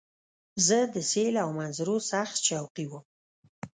زه د سیل او منظرو سخت شوقی وم.